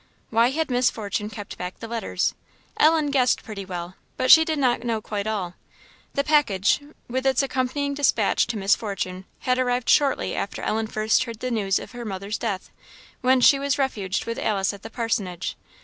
Why had Miss Fortune kept back the letters? Ellen guessed pretty well, but she did not know quite all. The package, with its accompanying despatch to Miss Fortune, had arrived shortly after Ellen first heard the news of her mother's death, when she was refuged with Alice at the parsonage.